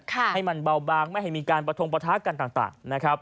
ให้มันเบาบางไม่ให้มีการประทงประทะกันต่างนะครับ